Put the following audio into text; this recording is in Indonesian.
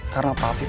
karena pak afif